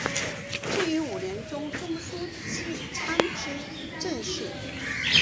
至正五年为中书参知政事。